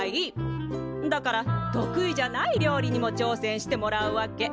だから得意じゃない料理にもちょうせんしてもらうわけ。